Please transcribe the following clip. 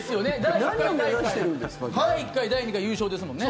第１回、第２回優勝ですもんね。